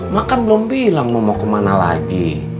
mak kan belum bilang mau kemana lagi